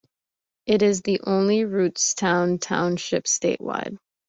It is the only Rootstown Township statewide.